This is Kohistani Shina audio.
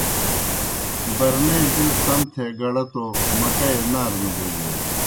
برنے بِل سم تھے گڑہ توْ مکئی نارہ نہ بوجیئے۔